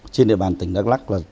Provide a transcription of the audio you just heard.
trên địa bàn tỉnh đắk lắc